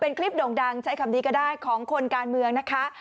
เป็นคลิปโด่งดังใช้คำนี้ก็ได้ของคนการเมืองนะคะ